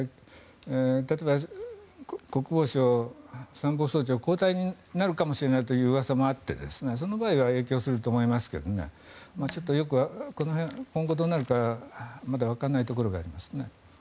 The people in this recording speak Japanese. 例えば国防相、参謀総長交代になるかもしれないという噂もあって、その場合は影響すると思いますが今後どうなるか分からないところがありますね。